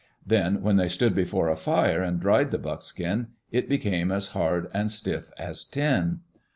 Then, when they stood before a fire and dried the buckskin, it became as hard and stiff as tin.